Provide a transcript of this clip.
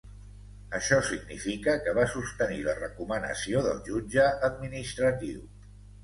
Això significa que va sostenir la recomanació del jutge administratiu.